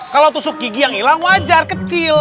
kalau tusuk gigi yang hilang wajar kecil